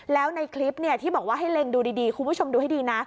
แล้วในคลิปที่บอกว่าให้เล็งดูดีคุณผู้ชมดูให้ดีนะ